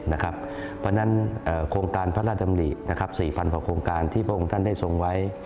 เพราะฉะนั้นโครงการพระราชดำริ๔๐๐กว่าโครงการที่พระองค์ท่านได้ทรงไว้